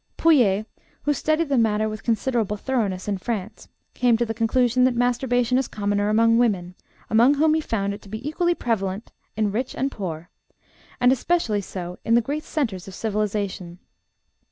Pouillet, who studied the matter with considerable thoroughness in France, came to the conclusion that masturbation is commoner among women, among whom he found it to be equally prevalent in rich and poor, and especially so in the great centres of civilization.